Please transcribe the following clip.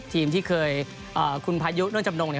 ทีมที่เคยคุณพายุนวันจำนงเนี่ย